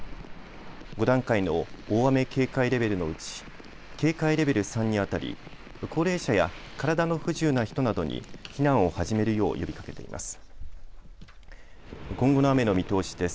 ５段階の大雨警戒レベルのうち警戒レベル３にあたり高齢者や体の不自由な人などに避難を始めるよう呼びかけています。